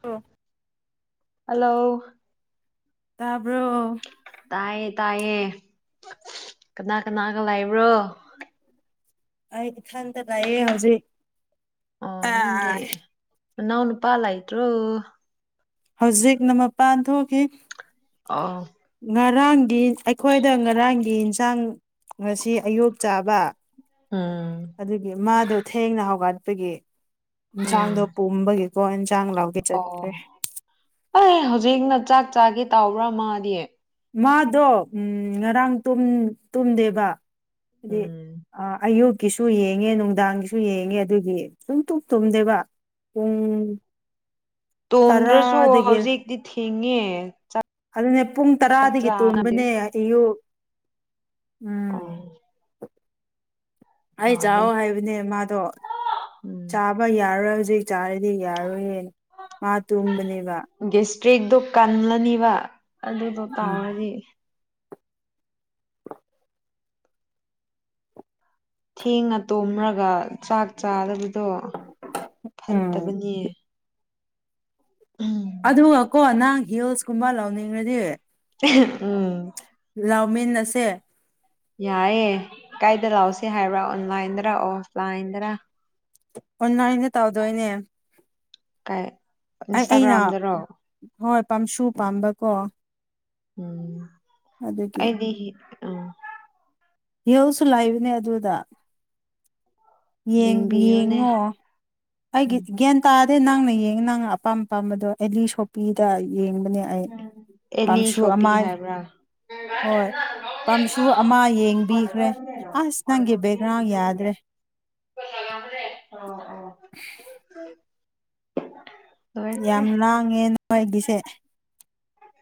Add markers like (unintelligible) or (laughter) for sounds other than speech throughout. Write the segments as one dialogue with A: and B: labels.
A: ꯇ (unintelligible)
B: ꯍꯜꯂꯣ
A: ꯇꯕ꯭ꯔꯣ
B: ꯇꯥꯏꯌꯦ ꯇꯥꯏꯌꯦ ꯀꯅꯥ ꯀꯅꯥꯒ ꯂꯩꯕ꯭ꯔꯣ?
A: ꯍꯥꯏꯗꯤ ꯏꯊꯟꯇꯥ ꯂꯩꯌꯦ ꯍꯧꯖꯤꯛ
B: ꯑꯣ ꯅꯪꯒꯤ
A: ꯑꯥ
B: ꯅꯥꯎ ꯅꯨꯄꯥ ꯂꯩꯇꯔꯣ
A: ꯍꯧꯖꯤꯛꯅ ꯃꯄꯥꯟ ꯊꯣꯛꯈꯤ
B: ꯑꯥ
A: ꯉꯔꯥꯡꯒꯤ ꯑꯩꯈꯣꯏꯗ ꯉꯔꯥꯡꯒꯤ ꯏꯟꯁꯥꯡ ꯉꯁꯤ ꯑꯌꯨꯛ ꯆꯥꯕ
B: ꯎꯝ
A: ꯑꯗꯨꯒꯤ ꯃꯥꯗꯣ ꯊꯦꯡꯅ ꯍꯧꯒꯠꯄꯒꯤ
B: ꯎꯝ
A: ꯌꯦꯟꯁꯥꯡꯗꯣ ꯄꯣꯝꯕꯒꯤ
B: ꯑꯣ ꯑꯩ ꯍꯧꯖꯤꯛꯅ ꯆꯥꯛ ꯆꯥꯒꯦ ꯇꯥꯎꯕ꯭ꯔꯥ ꯃꯥꯗꯤ?
A: ꯃꯥꯗꯣ ꯎꯝ ꯉꯔꯥꯡ ꯇꯨꯝꯗꯦꯕ ꯑꯗꯨꯗꯤ
B: ꯎꯝ
A: ꯑꯌꯨꯛ ꯍꯥꯑꯣꯖꯤꯛ ꯌꯦꯡꯉꯦ ꯅꯨꯡꯗꯥꯡꯒꯤꯁꯨ ꯌꯦꯡꯉꯦ ꯑꯗꯨꯒꯤ ꯁꯨꯝ ꯇꯨꯝ ꯇꯨꯝꯗꯦꯕ ꯎꯝ
B: ꯇꯣꯝꯗ꯭ꯔꯁꯨ ꯍꯧꯖꯤꯛꯇꯤ ꯊꯤꯡꯉꯦ
A: ꯑꯗꯨꯅꯦ ꯄꯨꯡ ꯇꯔꯥꯗꯒꯤ ꯇꯣꯡꯕꯅꯦ ꯑꯌꯨ
B: ꯑ
A: ꯑꯩ ꯆꯥꯛꯑꯣ ꯍꯥꯏꯕꯅꯦ ꯃꯥꯗꯣ
B: ꯎꯝ
A: ꯆꯥꯕ ꯌꯥꯔꯣꯏ ꯍꯧꯖꯤꯛ ꯆꯥꯔꯗꯤ ꯌꯥꯔꯣꯏꯍꯦ ꯃꯥ ꯇꯨꯝꯕꯅꯦꯕ
B: ꯇ꯭ꯔꯦꯛꯇꯣ ꯀꯜꯂꯅꯤꯕ ꯑꯗꯨꯗꯣ
A: ꯎꯝ
B: ꯇꯥꯔꯗꯤ ꯊꯦꯡꯉꯅꯥ ꯇꯣꯝꯂꯒ ꯆꯥꯛ ꯆꯥꯗꯕꯤ ꯑꯗꯣ
A: ꯎꯝ
B: ꯐꯠꯇꯕꯅꯦ ꯎꯝ
A: ꯑꯗꯨꯒ ꯀꯣ ꯅꯪ ꯍꯤꯜꯁꯀꯨꯝꯕ ꯂꯧꯅꯤꯡꯉꯗꯤ
B: ꯎꯝ
A: ꯂꯥꯎꯃꯤꯅꯥ ꯑꯁꯦ
B: ꯌꯥꯏꯑꯌꯦ ꯀꯥꯏꯗ ꯂꯥꯛꯁꯤ ꯍꯥꯏꯕ꯭ꯔꯥ ꯑꯣꯟꯂꯥꯏꯟꯗꯔ ꯑꯣꯐ ꯂꯥꯏꯟꯗꯔ (unintelligible)
A: ꯑꯣꯟꯂꯥꯏꯅ ꯇꯧꯗꯣꯏꯅꯦ
B: ꯀꯥꯏ
A: ꯑꯩ ꯑꯩꯅ
B: ꯏꯟꯁꯇꯥꯒ꯭ꯔꯥꯝꯗꯔꯣ
A: ꯍꯣꯏ ꯄꯥꯝꯁꯨ ꯄꯥꯝꯕꯀꯣ
B: ꯎꯝ
A: ꯑꯗꯨꯒꯤ
B: ꯑꯩꯗꯤ ꯎꯝ
A: ꯏꯍꯧꯁꯨ ꯂꯩꯕꯅꯦ ꯑꯗꯨꯗ ꯌꯦꯡ
B: ꯌꯦꯡꯕꯤꯌꯨꯅꯦ
A: ꯌꯦꯡꯉꯣ ꯑꯩꯒꯤ
B: ꯎꯝ
A: ꯒ꯭ꯌꯥꯟ ꯇꯥꯗꯤ ꯅꯪꯅ ꯌꯦꯡꯉꯦ ꯅꯪꯅ ꯑꯄꯥꯝ ꯑꯄꯥꯝꯕꯗꯣ ꯑꯦꯂꯤ ꯁꯣꯄꯤꯗ ꯌꯦꯡꯉ ꯑꯗꯨꯅꯤ ꯑꯩ
B: ꯑꯦꯂꯤ
A: ꯄꯥꯝꯁꯨ
B: ꯁꯣꯄꯤ
A: ꯑꯃꯥ
B: ꯍꯥꯏꯕ꯭ꯔꯥ
A: ꯍꯣꯏ ꯄꯥꯝꯁꯨ ꯑꯃ ꯌꯦꯡꯕꯤꯈ꯭ꯔꯦ ꯑꯁ ꯅꯪꯒꯤ ꯕꯦꯛꯒ꯭ꯔꯥꯎꯟ ꯌꯥꯗ꯭ꯔꯦ
B: ꯑ ꯑ (unintelligible)
A: ꯌꯥꯝ ꯂꯥꯡꯉꯦ ꯑ ꯅꯣꯏꯒꯤꯁꯦ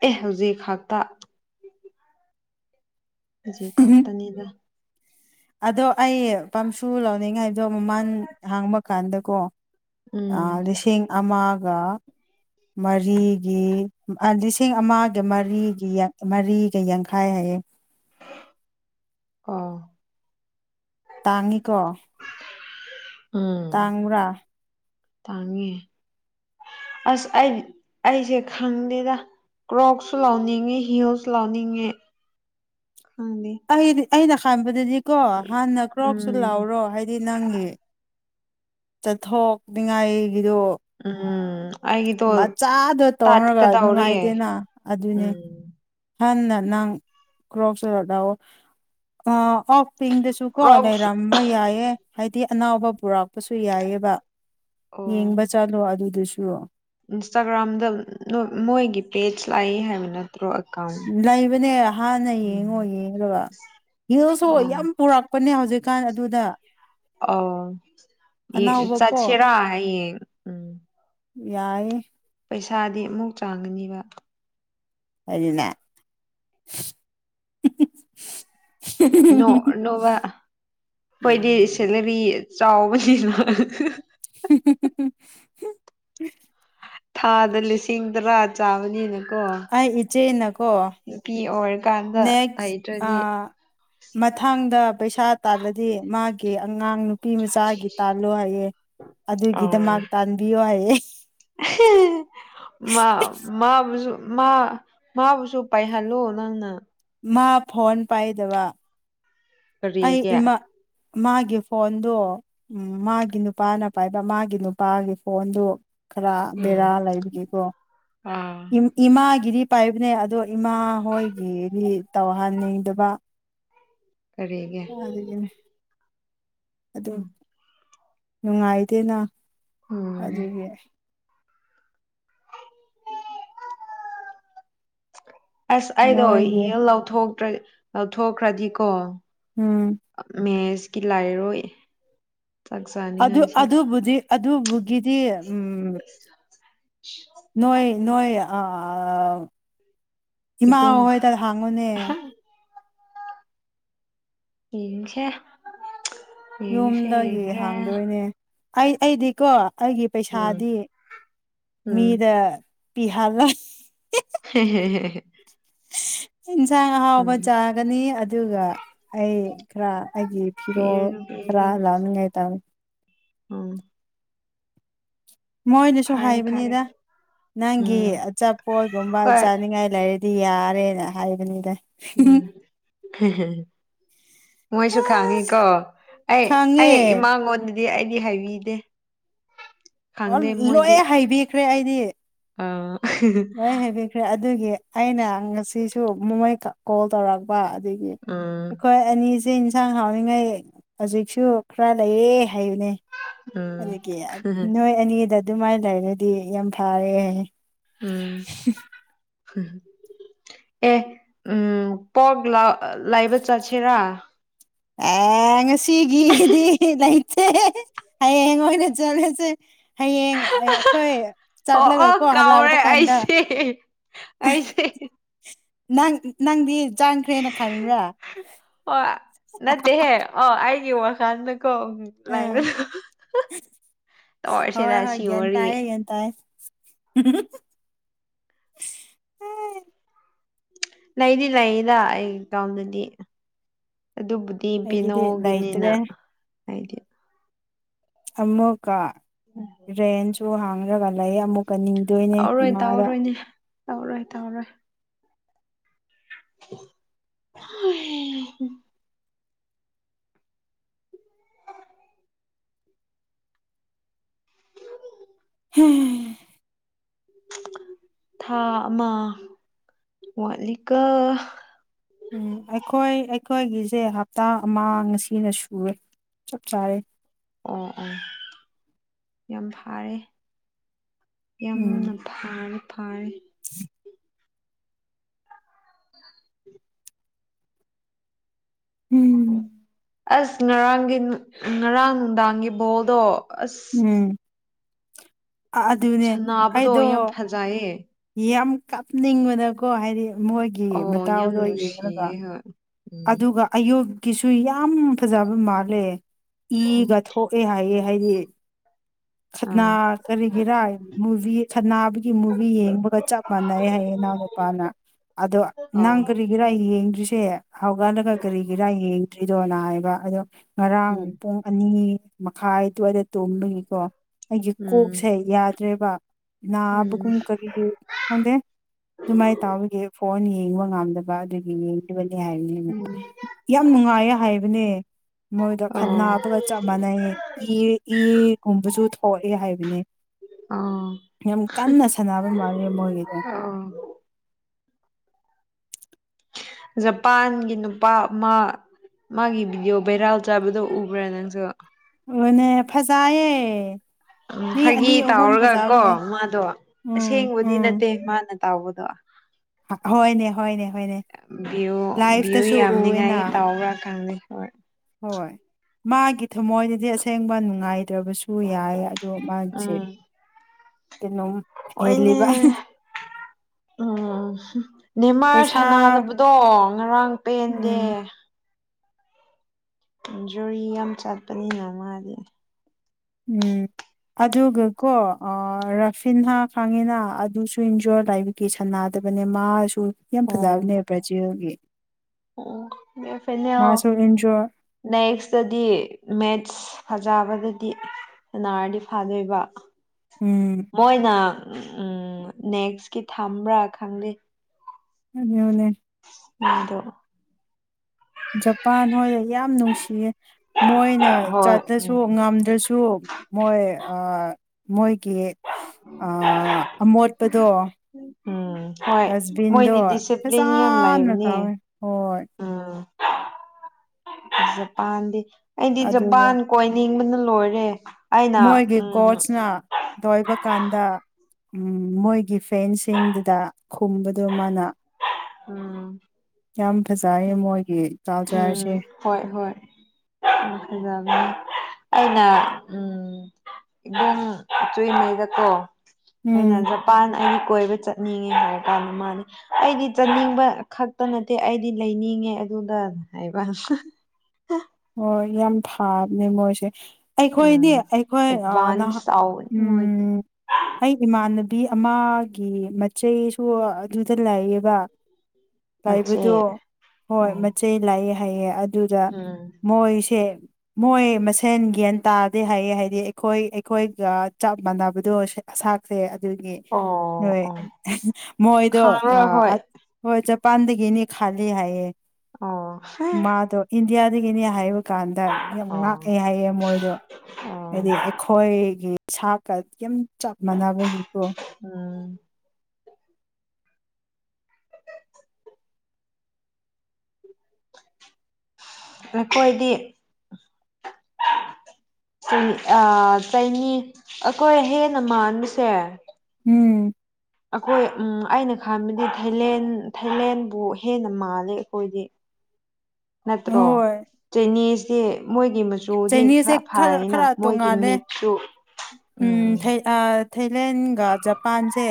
B: ꯑꯦ ꯍꯧꯖꯤꯛ ꯈꯥꯛꯛꯇ ꯖꯤ ꯈꯛꯇꯅꯤꯗ
A: ꯑꯗꯣ ꯑꯩ ꯄꯥꯝꯁꯨ ꯂꯧꯥꯎꯅꯤꯡꯉꯥꯏꯗꯣ ꯃꯃꯥꯟ ꯍꯥꯡꯕ ꯀꯥꯟꯗꯀꯣ
B: ꯎꯝ
A: ꯑꯥ ꯂꯤꯁꯤꯡ ꯑꯃꯒ ꯃꯔꯤꯒꯤꯂꯤꯁꯤꯡ ꯂꯤꯁꯤꯡ ꯑꯃꯒ ꯃꯔꯤꯒꯤ ꯃꯔꯤꯒ ꯌꯥꯡꯈꯥꯏ ꯍꯥꯏꯌꯦ
B: ꯑꯣ
A: ꯇꯥꯡꯏꯀꯣ
B: ꯎꯝ
A: ꯇꯪꯕꯔꯥ
B: ꯇꯥꯡꯉꯦ ꯑꯁ ꯑꯩ ꯑꯩꯁꯦ ꯈꯪꯗꯦꯗ ꯀ꯭ꯔꯣꯛꯁꯨ ꯂꯥꯎꯅꯤꯡꯉꯦ ꯍꯤꯜꯁꯨ ꯂꯥꯎꯅꯤꯡꯉꯦ
A: (inaudible)
B: ꯈꯪꯗꯦ
A: ꯑꯩꯗꯤ ꯑꯩꯅ ꯈꯟꯕꯗꯗꯤꯀꯣ ꯍꯥꯟꯅ ꯀ꯭ꯔꯣꯛꯁꯨ
B: ꯎꯝ
A: ꯂꯥꯎꯔꯣ ꯍꯥꯏꯗꯤ ꯅꯪꯒꯤ ꯆꯠꯊꯣꯛꯅꯤꯡꯉꯥꯏꯒꯤꯗꯣ
B: ꯎꯝ ꯑꯩꯒꯤꯗꯣ
A: ꯃꯆꯥꯗꯣ ꯇꯧꯔꯒ
B: ꯇꯥꯠꯀꯗꯧꯔꯦ
A: ꯅꯨꯡꯉꯥꯏꯇꯦꯅ ꯑꯗꯨꯅꯤ
B: ꯎꯝ
A: ꯍꯟꯅꯥ ꯅꯪ ꯀ꯭ꯔꯣꯞꯁ ꯗꯣ ꯂꯧ ꯑꯣ ꯑꯧ ꯄꯤꯡꯗꯁꯨ ꯀꯣ
B: ꯀ꯭ꯔꯣꯛꯁ
A: ꯂꯩꯔꯝꯕ ꯌꯥꯏꯌꯦ ꯍꯥꯏꯗꯤ ꯑꯅꯥꯎꯕ ꯄꯨꯔꯛꯄꯁꯨ ꯌꯥꯏꯌꯦꯕ ꯌꯦꯡꯕ
B: ꯑꯣ
A: ꯆꯠꯂꯣ ꯑꯗꯨꯗꯨꯁꯨ
B: ꯏꯟꯁꯇꯥꯒ꯭ꯔꯥꯝꯗ ꯃꯣꯏꯒꯤ ꯄꯦꯖ ꯂꯥꯛꯏ ꯍꯥꯏꯕ ꯅꯠꯇ꯭ꯔ‌ꯣ
A: ꯂꯩꯕꯅꯦ ꯍꯥꯟꯅ ꯌꯦꯡꯉꯣ ꯌꯦꯡꯉꯒ ꯍꯤꯜꯁꯨ ꯌꯥꯝ
B: ꯑꯣ
A: ꯄꯨꯔꯛ ꯄꯅꯦ ꯍꯧꯖꯤꯛꯀꯥꯟ ꯑꯗꯨꯗ
B: ꯑꯣ
A: ꯑꯅꯥꯎꯕꯀꯣ
B: ꯆꯠꯁꯤꯔꯥꯅꯥ ꯌꯦꯡ ꯎꯝ
A: ꯌꯥꯏ ꯑ‌ꯦ
B: ꯄꯩꯁꯥꯗꯤ ꯑꯃꯨꯛ ꯆꯪꯒꯅꯤꯕ
A: ꯑꯗꯨꯅ
B: ꯅꯣ ꯅ‌ꯣꯕ ꯑꯩꯈꯣꯏꯗꯤ
A: ꯎꯝ
B: ꯁꯦꯂꯔꯤ ꯆꯥꯎꯕꯁꯤꯅ
A: (inaudible)
B: ꯊꯥꯗ ꯂꯤꯁꯤꯡ ꯇꯔꯥ ꯆꯥꯝꯃꯅꯤꯅꯦ
A: ꯑꯩ ꯏꯆꯦꯅꯀꯣ
B: ꯑꯣꯏꯔꯀꯥꯟꯗ
A: ꯅꯦꯛꯁ
B: ꯍꯩꯇ꯭ꯔꯗꯤ
A: ꯃꯊꯪꯗ ꯄꯩꯁꯥ ꯇꯥꯜꯂꯗꯤ ꯃꯥꯒꯤ ꯀꯦ ꯑꯉꯥꯡ ꯅꯨꯄꯤ ꯅꯨꯄꯤ ꯃꯆꯥꯒꯤ ꯇꯥꯜꯂꯣ ꯍꯥꯏꯑꯦ
B: ꯑ
A: ꯑꯗꯨꯒꯤꯗꯃꯛ ꯇꯥꯟꯕꯤꯌꯣ ꯍꯥꯏꯑꯦ (inaudible)
B: ꯃꯥꯕꯨ ꯃꯥꯕꯨꯁꯨ ꯄꯥꯏꯍꯜꯂꯣ ꯅꯪꯅ
A: ꯃꯥ ꯐꯣꯟ ꯄꯥꯏꯗꯕ
B: ꯀꯔꯤ
A: ꯑꯩ
B: ꯒꯤ
A: ꯏꯃꯥ ꯃꯥꯒꯤ ꯐꯣꯟꯗꯣ ꯎꯝ ꯃꯥꯒꯤ ꯅꯨꯄꯥꯅ ꯄꯥꯏꯕ ꯃꯥꯒꯤ ꯅꯨꯄꯥꯒꯤ ꯐꯣꯟꯗꯨ ꯈꯔ
B: ꯎꯝ
A: ꯕꯦꯔꯥ ꯂꯩꯕꯒꯤꯦꯀꯣ
B: ꯑꯥ
A: ꯏꯃꯥ ꯒꯤꯗꯤ ꯄꯥꯏꯕꯅꯦ ꯑꯗꯣ ꯏꯃꯥ ꯍꯣꯏꯒꯤꯗꯤ ꯇꯧꯍꯟꯅꯤꯡꯗꯕ
B: ꯀꯔꯤꯒꯤ
A: ꯑꯗꯨꯒꯤꯅꯦ ꯑꯗꯨ ꯅꯨꯡꯉꯥꯏꯗꯦꯅ
B: ꯎꯝ
A: ꯑꯗꯨꯒꯤ
B: ꯑꯁ ꯑꯩꯗꯣ
A: ꯅꯣꯏꯒꯤ
B: ꯌꯦꯜ ꯂꯧꯊꯣꯛꯇ꯭ꯔ ꯂꯧꯊꯣꯛꯈ꯭ꯔꯗꯤꯀꯣ
A: ꯎꯝ
B: ꯃꯦꯁꯀꯤ ꯂꯥꯏꯔꯔꯣꯏ
A: ꯑꯗꯨ ꯑꯗꯨꯕꯨꯗꯤ ꯑꯗꯨꯕꯨꯒꯤꯗꯤ ꯎꯝ ꯅꯣꯏ ꯅꯣꯏ ꯑꯥ ꯏꯃꯥ
B: ꯏꯕꯨꯡ
A: ꯍ‌ꯣꯏꯗ ꯍꯪꯉꯨꯅꯦ
B: ꯌꯦꯡꯁꯦ ꯌꯦꯡꯁꯦ
A: ꯌꯨꯝꯗꯒꯤ
B: ꯌꯦꯡꯁꯦ
A: ꯍꯥꯡꯗꯣꯏꯅꯦ ꯑꯩ ꯑꯩꯗꯤꯀꯣ ꯑꯩꯒꯤ
B: ꯎꯝ
A: ꯄꯩꯁꯥꯗꯤ
B: ꯎꯝ
A: ꯃꯤꯗ ꯄꯤꯍꯜꯂ‌ꯣꯏ ꯏꯟꯁꯥꯡ ꯑꯍꯥꯎꯕ
B: ꯎꯝ
A: ꯆꯥꯒꯅꯤ ꯑꯗꯨꯒ ꯑꯩ ꯈꯔ ꯑꯩꯒꯤ ꯐꯤꯔꯣꯜ
B: ꯄꯤꯔꯅꯨ
A: ꯈꯔ
B: ꯄꯤꯔꯅꯨ
A: ꯂꯧꯅꯤꯡꯉꯥꯏ ꯇꯥꯡ
B: ꯎꯝ
A: ꯃꯣꯏꯗꯁꯨ
B: ꯐꯔꯦ ꯐꯔꯦ
A: ꯍꯥꯏꯕꯅꯤꯗ ꯅꯪꯒꯤ
B: ꯎꯝ
A: ꯑꯆꯥꯄꯣꯠꯒꯨꯝꯕ
B: ꯍꯣꯏ
A: ꯆꯥꯅꯤꯡꯉꯥꯏ ꯂꯥꯏꯔꯤꯛ ꯗꯤ ꯌꯥꯔꯦꯅ ꯍꯥꯏꯕꯅꯤꯗ
B: ꯎꯝ ꯍ‌ꯦ ꯍ‌ꯦ ꯃꯣꯏꯁꯨ ꯈꯥꯡꯉꯤ ꯀꯣ ꯑꯩ
A: ꯈꯪꯉꯦ
B: ꯑꯩ ꯏꯃꯥꯉꯣꯟ ꯗꯤ ꯑꯩꯗꯤ ꯍꯥꯏꯕꯤꯗꯦ
A: ꯑꯣ
B: ꯈꯪꯗꯦ
A: ꯂꯣꯏ
B: ꯃꯣꯏꯗꯤ
A: ꯍꯥꯏꯕꯤꯈ꯭ꯔꯦ ꯑꯩꯗꯤ
B: ꯑꯥ
A: ꯂꯣꯏ ꯍꯥꯏꯕꯤꯈ꯭ꯔꯦ ꯑꯗꯨꯒꯤ ꯑꯩꯅ ꯉꯁꯤꯁꯨ ꯃꯃꯩ ꯀꯣꯜ ꯇꯧꯔꯛꯄ ꯑꯗꯒꯤ
B: ꯎꯝ
A: ꯑꯩꯈꯣꯏ ꯑꯅꯤ ꯆꯆꯦ ꯏꯟꯁꯥꯡ ꯍꯥꯎꯔꯤꯉꯩ ꯍꯧꯖꯤꯛꯁꯨ ꯈꯔ ꯂꯩꯌꯦ ꯍꯥꯏꯕꯅꯦ
B: ꯎꯝ
A: ꯑꯗꯨꯗꯒꯤ ꯅꯣꯏ ꯑꯅꯤꯗ ꯑꯗꯨꯃꯥꯏꯅ ꯂꯩꯔꯗꯤ ꯌꯥꯝ ꯐꯔꯦ (inaudible)
B: ꯍꯝ ꯑꯦ ꯎꯝ ꯄꯒ ꯂ ꯂꯏꯕ ꯆꯠꯁꯦꯔ
A: ꯑꯦ ꯉꯁꯤꯒꯤꯗꯤ ꯂꯩ ꯑꯉ ꯑꯣꯏꯅ ꯆꯂꯁꯦ ꯍꯌꯦꯡ ꯑꯩꯈꯣꯏ
B: ꯑꯣ
A: ꯆꯠꯂꯒ
B: ꯑꯣ
A: ꯀꯣ ꯂꯥꯛꯄ
B: ꯀꯥꯎꯔꯦ
A: ꯀꯥꯟꯗ
B: ꯑꯩꯁꯦ ꯑꯩꯁꯦ
A: ꯅꯪ ꯅꯪꯗꯤ ꯆꯥꯡꯈ꯭ꯔꯦꯅ ꯈꯟꯕ꯭ꯔꯥ
B: ꯑꯣ ꯅꯠꯇꯦꯍꯦ ꯑꯣ ꯑꯩꯒꯤ ꯋꯥꯈꯜꯗ ꯂ
A: ꯎꯝ
B: ꯇꯔꯁꯗꯥ ꯁꯤ ꯑꯣꯏꯔꯤ
A: ꯎꯝ
B: ꯂꯩꯗꯤ ꯂꯩꯗ ꯑꯩ ꯀꯥꯎꯝꯗꯗꯤ ꯑꯗꯨꯕꯨꯗꯤ
A: ꯑꯩꯒꯤꯗꯤ
B: ꯄꯅꯣꯒꯤꯅꯤꯅ
A: ꯂꯩꯇ꯭ꯔꯦ
B: ꯍꯥꯏꯗꯤ
A: ꯑꯃꯨꯛꯀ ꯔꯦꯟꯁꯨ ꯍꯥꯡꯉꯒ ꯂꯩ ꯑꯃꯨꯛ ꯀꯟꯅꯤꯡꯗꯣꯏꯅꯦ
B: ꯇꯧꯔꯣꯏ
A: ꯏꯃꯥꯒ
B: ꯇꯧꯔꯣꯏꯅꯦ ꯇꯧꯔꯣꯏ ꯇꯧꯔꯣꯏ ꯍ
A: ꯍꯝ
B: ꯊꯥ ꯑꯃ ꯋꯥꯠꯂꯤꯀ
A: ꯎꯝ ꯑꯩꯈꯣꯏ ꯑꯩꯈꯣꯏꯒꯤꯁꯦ ꯍꯞꯇꯥ ꯑꯃ ꯑꯁꯤꯅ ꯁꯨꯔꯦ ꯆꯞ ꯆꯥꯔꯦ
B: ꯑꯣ ꯑꯣ ꯌꯥꯝ ꯐꯥꯔꯦ ꯌꯥꯝꯅ
A: ꯎꯝ
B: ꯐꯔꯦ ꯐꯔꯦ
A: (inaudible)
B: ꯎꯝ
A: ꯍꯝ
B: ꯑꯁ ꯉꯔꯥꯡꯒꯤ ꯉꯔꯥꯡ ꯅꯨꯡꯗꯥꯡꯒꯤ ꯕꯣꯜꯗꯣ ꯑꯁ
A: ꯎꯝ ꯑꯗꯨꯅꯦ
B: ꯁ ꯅꯥꯕꯗꯣ
A: ꯑꯩꯗꯣ
B: ꯌꯥꯝ ꯐꯖꯩꯌꯦ
A: ꯌꯥꯝ ꯀꯞꯅꯤꯡꯕꯗꯀꯣ ꯍꯥꯏꯗꯤ ꯃꯣꯏꯒꯤ
B: ꯑꯣ ꯌꯥꯝ
A: ꯃꯇꯥꯎꯗꯣ ꯌꯦꯡꯉꯒ
B: ꯅꯨꯡꯁꯤꯌꯦ ꯍꯣꯏ ꯎꯝ
A: ꯑꯗꯨꯒ ꯑꯌꯣꯀꯤꯁꯨ ꯌꯥꯝ ꯐꯖꯕ ꯃꯥꯜꯂꯦ
B: ꯎꯝ
A: ꯏꯒ ꯊꯣꯛꯑꯦ ꯍꯥꯏꯌꯦꯦ ꯍꯥꯏꯗꯤ ꯈꯠꯅꯥ
B: ꯑꯥ
A: ꯀꯔꯤꯒꯤꯔꯥ ꯃꯨꯚꯤ ꯈꯠꯅꯥꯕꯒꯤ ꯃꯨꯚꯤ ꯌꯦꯡꯕꯒ ꯆꯞ ꯃꯥꯟꯅꯩ ꯍꯥꯏꯌꯦ ꯏꯅꯥꯎ ꯃꯄꯥꯅ ꯑꯗꯣ ꯅꯪ
B: ꯑꯥꯎ
A: ꯀꯔꯤꯒꯤꯔꯥ ꯌꯦꯡꯗ꯭ꯔꯤꯁꯤ ꯁꯦ ꯍꯧꯒꯠꯂꯒ ꯀꯔꯤ ꯀꯔꯥ ꯌꯦꯡꯗ꯭ꯔꯤꯗꯣꯅ ꯍꯥꯏꯕ ꯑꯗꯣ ꯉꯔꯥꯡ
B: ꯎꯝ
A: ꯄꯨꯡ ꯑꯅꯤ ꯃꯈꯥꯏ ꯑꯗꯨꯋꯥꯏꯗ ꯇꯣꯡꯕꯨꯏꯀꯣ ꯑꯩꯒꯤ
B: ꯎꯝ
A: ꯀꯣꯛꯁꯦ ꯌꯥꯗ꯭ꯔꯦꯕ
B: ꯎꯝ
A: ꯅꯥꯕꯒꯨꯝ ꯀꯔꯤꯒꯤ ꯈꯪꯗꯦ ꯅꯨꯡꯃꯥꯏ ꯇꯥꯕꯒꯦ ꯐꯣꯟ ꯌꯦꯡꯕ ꯉꯝꯗꯕ ꯑꯗꯨꯒꯤ ꯌꯦꯡꯈꯤꯕꯅꯤ ꯍꯥꯏꯅꯤ
B: ꯎꯝ
A: ꯌꯥꯝ ꯅꯨꯡꯉꯥꯏꯌꯦ ꯍꯥꯏꯕꯅꯦ ꯃꯣꯏꯗ
B: ꯑꯣ
A: ꯈꯠꯕꯒ ꯆꯞ ꯃꯥꯟꯅꯩꯦ ꯏ ꯏꯒꯨꯝꯕꯁꯨ ꯊꯣꯛꯑꯦ ꯍꯥꯏꯕꯅꯦ
B: ꯑꯥ
A: ꯌꯥꯝ ꯀꯟꯅ ꯁꯥꯟꯅꯕ ꯃꯥꯂ ꯃꯣꯏꯒꯤꯗ
B: ꯑꯥ ꯖꯄꯥꯟꯒꯤ ꯅꯨꯄꯥ ꯑꯃ ꯃꯥꯒꯤ ꯚꯤꯗꯤꯑꯣ ꯚꯦꯔꯥꯜ ꯆꯥꯕꯗꯣ ꯎꯕ꯭ꯔꯥ ꯅꯪꯁꯨ
A: ꯑꯣꯅꯦ ꯐꯖꯌꯦꯦ
B: ꯎ ꯐꯥꯒꯤ ꯇꯥꯎꯔꯒ ꯀꯣ ꯃꯥꯗꯣ
A: ꯎꯝ
B: ꯑꯁꯦꯡꯕꯗꯤ
A: ꯎꯝ
B: ꯅꯠꯇꯦ ꯃꯥꯅꯦ ꯕꯗꯣ
A: ꯍꯣꯏꯅꯦ ꯍꯣꯏꯅꯦ ꯍꯣꯏꯅꯦ
B: ꯚ꯭ꯌꯨ ꯚ꯭ꯌꯨ
A: ꯂꯥꯏꯐꯇꯁꯨ ꯎꯑꯦꯅ
B: ꯌꯥꯝꯅꯤꯉꯥꯏ ꯇꯥꯎꯕ꯭ꯔꯥ ꯀꯥꯡꯍꯣꯔ
A: ꯍꯣꯏ ꯃꯥꯒꯤ ꯊꯃꯣꯏꯗꯗꯤ ꯑꯁꯦꯡꯕ ꯅꯨꯡꯉꯥꯏ ꯑꯣꯏꯗꯕꯁꯨ ꯌꯥꯏ ꯑꯗꯣ ꯃꯥꯒꯤꯁꯦ
B: ꯎꯝ
A: ꯎ ꯑꯦꯜꯂꯤꯕ
B: ꯍꯣꯏꯅꯦ ꯎꯝ ꯅꯅꯤꯃꯥꯔ ꯁꯅꯥꯕꯗꯣ ꯉꯔꯥꯡ ꯄꯦꯟꯗꯦ
A: ꯎꯝ
B: ꯟꯖꯨꯔꯤ ꯌꯥꯝ ꯆꯠꯄꯅꯤꯅ ꯃꯥꯗꯤ
A: ꯎꯝ ꯑꯗꯨꯒꯀꯣ ꯔꯥꯐꯤꯤꯟ ꯍꯥ ꯈꯪꯉꯤꯅ ꯑꯗꯨꯁꯨ ꯏꯟꯖꯣꯔ ꯂꯕꯒꯤꯦ ꯁꯅꯥ ꯌꯥꯗꯕꯅꯦ ꯃꯥꯁꯨ ꯌꯥꯝ
B: ꯑꯣ
A: ꯐꯖꯕꯅꯦ ꯕ꯭ꯔꯥꯖꯤꯦꯜꯒꯤ
B: ꯑꯣ ꯐꯅꯦ ꯅꯦꯛꯁꯇꯗꯤ ꯃꯦꯠꯁ ꯐꯖꯕꯗꯗꯤ ꯑꯦꯟ ꯑꯔꯗꯤ ꯐꯥꯗꯣꯏꯕ
A: ꯎꯝ
B: ꯃꯣꯏꯅ ꯎꯝ ꯎꯝ ꯅꯦꯛꯁꯀꯤ ꯊꯝꯕ꯭ꯔꯥ ꯈꯪꯗꯦ
A: ꯑꯗꯨꯗ ꯑꯣꯂꯦ
B: ꯑꯗꯣ
A: ꯖꯄꯥꯟ ꯍꯣꯏꯗ ꯌꯥꯝ ꯅꯨꯡꯁꯤꯌꯦ ꯃꯣꯏꯅ
B: ꯍꯣꯏ
A: ꯆꯠꯇ꯭ꯔꯁꯨ
B: ꯎꯝ
A: ꯉꯝꯗ꯭ꯔꯁꯨ ꯃꯣꯏ ꯑ ꯃꯣꯏꯒꯤ ꯑ ꯑꯃꯣꯠꯄꯗꯣ
B: ꯎꯝ ꯍꯣꯏ
A: ꯗꯁꯕꯤꯟꯗꯣ
B: ꯃꯣꯏꯗꯤ ꯗꯤꯁꯤꯄ꯭ꯂꯤꯟ ꯌꯥꯝ
A: ꯐꯁꯥꯟꯅ ꯆꯥꯎꯥꯋꯦ
B: ꯂꯩꯕꯅꯦ
A: ꯍꯣꯏ
B: (unintelligible) ꯖꯄꯥꯟꯗꯤ ꯑꯩꯗꯤ
A: ꯑꯗꯨꯒ
B: ꯖꯄꯥꯟ ꯀꯣꯏꯅꯤꯡꯕꯅ ꯂꯣꯏꯔꯦ ꯑꯩꯅ
A: ꯃꯣꯏꯒꯤ
B: ꯎꯝ
A: ꯀꯣꯆꯅ ꯂꯣꯏꯕ ꯀꯥꯟꯗ ꯎꯝ ꯃꯣꯏꯒꯤ ꯐꯦꯟꯁꯤꯡꯗꯨꯗ ꯈꯨꯝꯕꯗꯣ ꯃꯥꯅ
B: ꯎꯝ
A: ꯌꯥꯝ ꯐꯖꯌꯦ ꯃꯣꯏꯒꯤ ꯆꯥ ꯆꯔꯁꯦ
B: ꯑ ꯍꯖꯕ ꯑꯩꯅ ꯎꯝ ꯏꯝ ꯆꯨꯉꯩꯗꯀꯣ ꯑꯩꯅ
A: ꯎꯝ
B: ꯖꯄꯥꯟ ꯑꯩꯒꯤ ꯀꯣꯏꯕ ꯆꯠꯅꯤꯡꯉꯦ ꯍꯥꯏꯔ ꯀꯥꯟꯗ ꯃꯥꯅꯤ ꯑꯩꯗꯤ ꯆꯠꯅꯤꯡꯕ ꯈꯛꯇ ꯅꯠꯇꯦ ꯑꯩꯗꯤ ꯂꯩꯅꯤꯡꯉꯦ ꯑꯗꯨꯗ ꯍꯥꯏꯕ
A: ꯍꯣꯏ ꯌꯥꯝ ꯐꯥꯕꯅꯦ ꯃꯣꯏꯁꯦ ꯑꯩꯈꯣꯏꯗꯤ
B: ꯎꯝ
A: ꯑꯩꯈꯣꯏ ꯅꯍ
B: ꯑꯦꯗꯚꯥꯟꯁ ꯇꯧꯕꯅꯤ ꯃꯣꯏꯗꯤ
A: ꯑꯩ ꯏꯃꯥꯟꯅꯕꯤ ꯅꯨꯕꯤ ꯑꯃꯒꯤ ꯃꯆꯩꯁꯨ ꯑꯗꯨꯗ ꯂꯩꯌꯦꯕ
B: ꯃꯆꯦ
A: ꯂꯥꯏꯕꯗꯣ ꯍꯣꯏ
B: ꯎꯝ
A: ꯃꯆꯩ ꯂꯥꯛꯑꯦ ꯍꯥꯏꯌꯦ
B: ꯎꯝ
A: ꯑꯩꯁꯦ ꯃꯣꯏ ꯃꯁꯦꯟ ꯒ꯭ꯌꯥꯟ ꯇꯥꯗꯦ ꯍꯥꯏꯌꯦ ꯍꯥꯏꯗꯤ ꯑꯩꯈꯣꯏ ꯑꯩꯈꯣꯏꯒ ꯆꯞ ꯃꯥꯟꯅꯕ ꯑꯗꯣ ꯑꯁꯥꯛꯁꯦ ꯑꯗꯨꯒꯤꯣꯏ
B: ꯑꯣ ꯑꯣ
A: ꯃꯣꯏꯗꯣ
B: ꯈꯥꯡꯔꯣꯏ ꯍꯣꯏ
A: ꯄꯟꯗꯒꯤꯅꯤ ꯈꯥꯂꯤ ꯍꯥꯏꯌꯦ
B: ꯑꯣ
A: ꯏꯌꯥꯗꯤ ꯀꯅꯤ ꯍꯥꯏꯕ ꯀꯥꯟꯗ ꯌꯥꯝ
B: ꯑꯣ
A: ꯉꯥꯛꯑꯦ ꯍꯥꯏꯌꯦ ꯃꯣꯏꯗꯣ
B: ꯑꯣ
A: ꯍꯥꯏꯗꯤ ꯑꯩꯈꯣꯏꯒꯤ ꯁꯥꯀ ꯌꯥꯝ ꯆꯞ ꯃꯥꯟꯅꯕꯒꯤꯀꯣ
B: ꯎꯝ ꯅꯈꯣꯏꯗꯤ
A: (unintelligible)
B: ꯆꯅꯤ ꯑ ꯆꯅꯤ ꯑꯩꯈꯣꯏ ꯍꯦꯟꯅ ꯃꯥꯟꯕꯁꯦ
A: ꯎꯝ
B: ꯑꯩꯈꯣꯏ ꯑꯩꯅ ꯈꯟꯕꯗꯤ ꯊꯥꯏꯂꯦꯟ ꯊꯥꯏꯂꯦꯟꯕꯨ ꯍꯦꯟꯅ ꯃꯥꯜꯂꯤꯦ ꯑꯩꯈꯣꯏꯗꯤ
A: (unintelligible)
B: ꯅꯠꯇ꯭ꯔꯣ
A: ꯍꯣꯏ
B: ꯆꯤꯅꯤꯁꯁꯤ ꯃꯣꯏꯒꯤ ꯃꯆꯨꯗꯤ
A: ꯆꯥꯏꯅꯤꯁꯁꯦ
B: ꯈꯔ ꯐꯥꯏꯌꯦꯅ
A: ꯈꯔ
B: ꯃꯣꯏꯒꯤ
A: ꯇꯣꯡꯉꯥꯜꯂꯦ
B: ꯃꯤꯠꯁꯨ
A: ꯎꯝ ꯊꯩ ꯑ ꯊꯥꯏꯂꯦꯟꯒ ꯖꯄꯥꯟꯁꯦ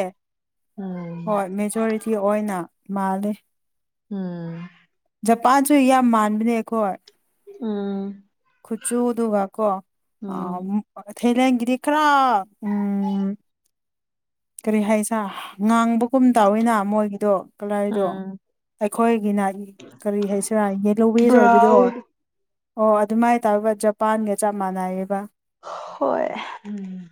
B: ꯎꯝ
A: ꯍꯣꯏ ꯃꯦꯖꯣꯔꯤꯇꯤ ꯑꯣꯏꯅ ꯃꯥꯂꯦ
B: ꯎꯝ
A: ꯖꯄꯥꯟꯁꯨ ꯌꯥꯝ ꯃꯥꯟꯕꯅꯦ ꯑꯩꯈꯣꯏ
B: ꯑꯥ
A: ꯈꯨꯆꯨꯗꯨ ꯋꯥ ꯀꯣ
B: ꯎꯝ
A: ꯑ ꯊꯦꯂꯦꯟꯒꯗꯤ ꯈꯔ ꯎꯝ ꯀꯔꯤ ꯍꯥꯏꯁ ꯉꯥꯡꯕꯒꯨꯝ ꯇꯧꯋꯤꯅ ꯃꯣꯏꯒꯤꯗꯣ ꯀꯂꯔꯗꯣ
B: ꯎꯝ
A: ꯑꯩꯈꯣꯏꯒꯤꯅ ꯀꯔꯤ ꯍꯥꯏꯁꯤꯔꯥꯅꯦꯦ ꯂꯤ ꯁꯣꯏꯕꯗꯣ
B: ꯕ꯭ꯔꯥꯎꯟ
A: ꯑꯣ ꯑꯗꯨꯃꯥꯏꯅ ꯇꯔꯕ ꯖꯄꯥꯟꯒ ꯆꯞ ꯃꯥꯟꯅꯩꯌꯦꯕ
B: ꯍꯣꯏ ꯎꯝ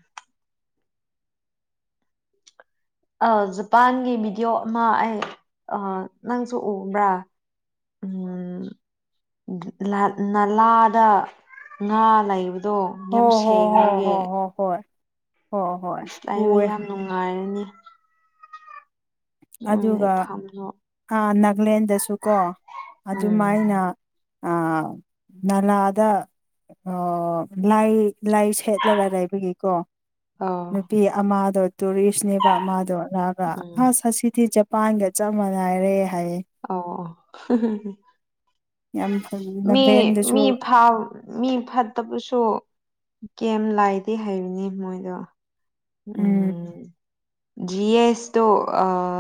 B: ꯑ ꯖꯄꯥꯟꯒꯤ ꯚꯤꯗꯤꯑꯣ ꯑꯃ ꯑꯩ ꯅꯪꯁꯨ ꯎꯕ꯭ꯔꯥ ꯎꯝ ꯅꯂꯥꯗ ꯉꯥ ꯂꯩꯕ ꯑꯗꯣ
A: ꯍꯣ
B: ꯌꯥꯝ
A: ꯍꯣ ꯍꯣ
B: ꯁꯦꯡꯉꯒꯦ
A: ꯍꯣ ꯍꯣ ꯍꯣꯏ ꯍꯣꯏ ꯍꯣꯏ
B: ꯑꯁ ꯂꯥꯛꯑꯣ
A: ꯎꯋꯦ
B: ꯌꯥꯝ ꯅꯨꯡꯉꯥꯏꯔꯅꯤ ꯍ ꯂꯩ ꯊꯝꯣ
A: ꯥ ꯅꯥꯒꯂꯦꯟꯗꯁꯨꯀꯣ
B: ꯎꯝ
A: ꯑꯗꯨꯃꯥꯏꯅ ꯑ ꯅꯂꯗ ꯑ ꯂꯥꯏ ꯂꯥꯏ ꯁꯦꯠꯂꯒ ꯂꯩꯕꯒꯤꯀꯣ
B: ꯑꯧ
A: ꯅꯨꯄꯤ ꯑꯃꯗꯣ ꯇꯨꯔꯤꯁꯅꯦꯕ ꯃꯥꯗꯣ ꯔꯥꯒ
B: ꯎꯝ
A: ꯑꯁ ꯑꯁꯤꯁꯤꯗꯤ ꯖꯄꯥꯟꯒ ꯆꯞ ꯃꯥꯟꯅꯏꯔꯦ
B: ꯑ ꯑꯣ
A: ꯌꯥꯝ ꯐ
B: ꯃꯤ
A: ꯅꯥꯒꯥꯂꯦꯟꯗꯁꯨ
B: ꯃꯤ ꯐꯥꯎ ꯃꯤ ꯐꯥꯠꯇ ꯄꯨꯁꯣ ꯀꯦꯝ ꯂꯥꯏꯗꯤ ꯍꯥꯏꯕꯅꯤ ꯃꯣꯏꯗꯣ ꯎꯝ ꯖꯤ ꯑꯦꯁ ꯇꯣ